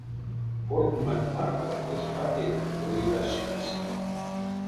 Кортнеманть марто эзь фатяяк, кода ютась шкась.